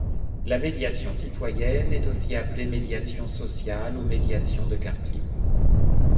La médiation citoyenne est aussi appelée médiation sociale ou médiation de quartier.